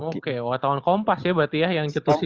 oke wartawan kompas ya berarti ya yang cetusin